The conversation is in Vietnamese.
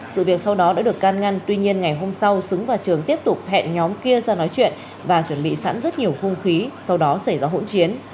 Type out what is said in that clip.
sự việc sau đó đã được can ngăn tuy nhiên ngày hôm sau xứng và trường tiếp tục hẹn nhóm kia ra nói chuyện và chuẩn bị sẵn rất nhiều hung khí sau đó xảy ra hỗn chiến